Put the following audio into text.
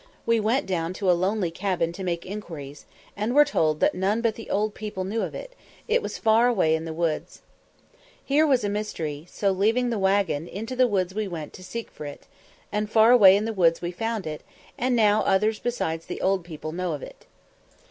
We went down to a lonely cabin to make inquiries, and were told that "none but the old people knew of it it was far away in the woods." Here was mystery; so, leaving the waggon, into the woods we went to seek for it, and far away in the woods we found it, and now others besides the "old people" know of it.